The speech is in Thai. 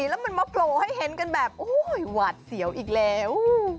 แล้วมันมาโผล่ให้เห็นกันแบบโอ้ยหวาดเสียวอีกแล้ว